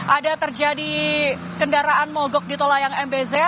ada terjadi kendaraan mogok di tol layang mbz